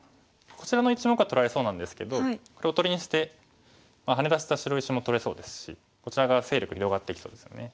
こちらの１目は取られそうなんですけどこれおとりにしてハネ出した白石も取れそうですしこちら側勢力広がっていきそうですよね。